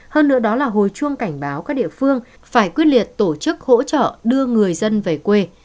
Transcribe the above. hơn nữa đó là hồi chuông cảnh báo các địa phương phải quyết liệt tổ chức hỗ trợ đưa người dân về quê